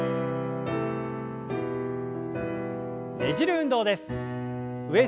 ねじる運動です。